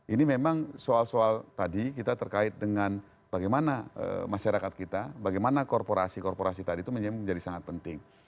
ini memang soal soal tadi kita terkait dengan bagaimana masyarakat kita bagaimana korporasi korporasi tadi itu menjadi sangat penting